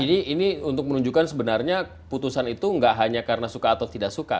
jadi ini untuk menunjukkan sebenarnya putusan itu nggak hanya karena suka atau tidak suka